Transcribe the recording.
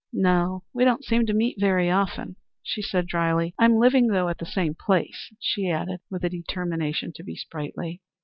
"No, we don't seem to meet very often," she said drily. "I'm living, though, at the same place," she added, with a determination to be sprightly.